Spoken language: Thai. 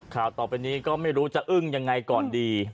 ข่าวต่อไปนี้ก็ไม่รู้จะอึ้งยังไงก่อนดี